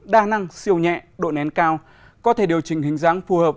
đa năng siêu nhẹ độ nén cao có thể điều chỉnh hình dáng phù hợp